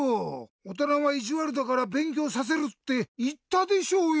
おとなはいじわるだからべんきょうさせるっていったでしょうよ！